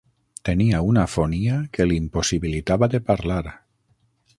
Tenia una afonia que li impossibilitava de parlar.